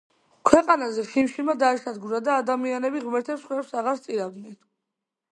ქვეყანაზე შიმშილმა დაისადგურა და ადამიანები ღმერთებს მსხვერპლს აღარ სწირავდნენ.